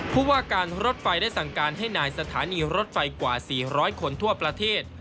ผู้ว่าการรถไฟได้สั่งการให้นายสถานีรถไฟกว่า๔๐๐คนทั่วประเทศ